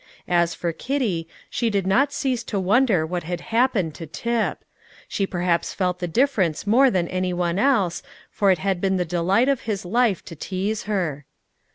As for Kitty, she did not cease to wonder what had happened to Tip; she perhaps felt the difference more than any one else, for it had been the delight of his life to tease her.